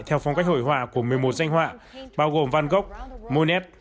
theo phong cách hổi họa của một mươi một danh họa bao gồm van gogh monet